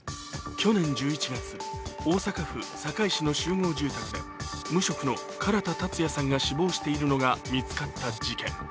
去年１１月、大阪府堺市の集合住宅で無職の唐田健也さんが死亡しているのが見つかった事件。